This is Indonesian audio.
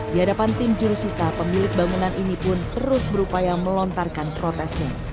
di hadapan tim jurusita pemilik bangunan ini pun terus berupaya melontarkan protesnya